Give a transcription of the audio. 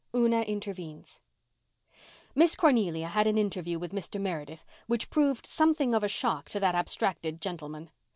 UNA INTERVENES Miss Cornelia had an interview with Mr. Meredith which proved something of a shock to that abstracted gentleman.